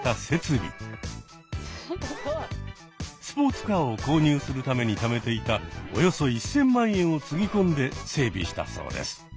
スポーツカーを購入するためにためていたおよそ１，０００万円をつぎ込んで整備したそうです。